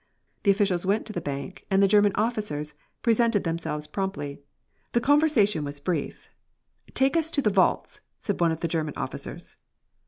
The officials went to the bank, and the German officers presented themselves promptly. The conversation was brief. "Take us to the vaults," said one of the German officers.